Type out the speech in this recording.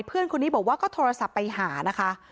เพื่อนคนนี้บอกว่าก็โทรศัพท์ไปหานะคะ